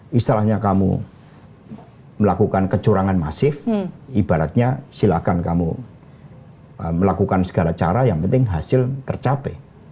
misalnya kamu melakukan kecurangan masif ibaratnya silakan kamu melakukan segala cara yang penting hasil tercapai